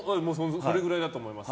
それぐらいだと思います。